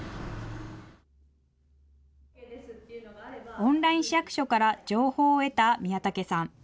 オンライン市役所から情報を得た宮武さん。